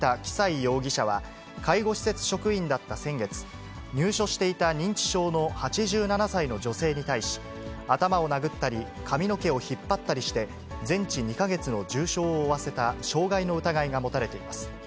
容疑者は介護施設職員だった先月、入所していた認知症の８７歳の女性に対し、頭を殴ったり、髪の毛を引っ張ったりして全治２か月の重傷を負わせた傷害の疑いが持たれています。